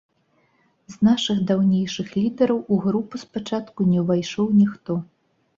З нашых даўнейшых лідэраў у групу спачатку не ўвайшоў ніхто.